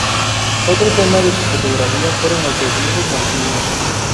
Otro tema de sus fotografías fueron los desnudos masculinos.